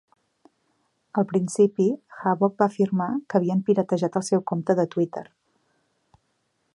Al principi, Havoc va afirmar que havien piratejat el seu compte de Twitter.